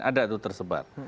ada itu tersebar